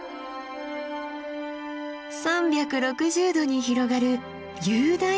３６０度に広がる雄大な景色。